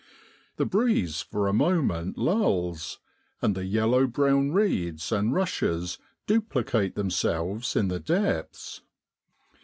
The breeze for a moment lulls, and the yellow brown reeds and rushes duplicate themselves in the depths.